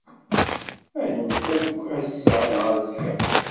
Ad nemmet akk, ass-a neɣ azekka.